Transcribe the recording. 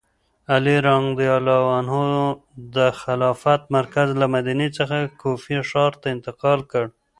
علي رض د خلافت مرکز له مدینې څخه کوفې ښار ته انتقال کړ.